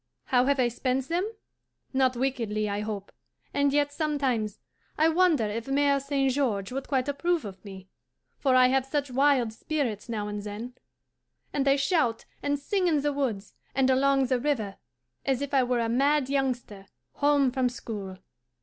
How have I spent them? Not wickedly, I hope, and yet sometimes I wonder if Mere St. George would quite approve of me; for I have such wild spirits now and then, and I shout and sing in the woods and along the river as if I were a mad youngster home from school.